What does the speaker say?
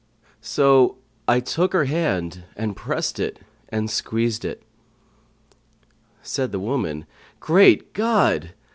So I took her hand and pressed it and squeezed it." Said the woman, "Great God!